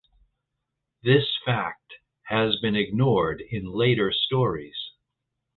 This fact has been ignored in later stories.